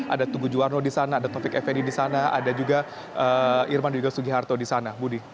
ada tugu juwarno di sana ada taufik effendi di sana ada juga irman juga sugiharto di sana budi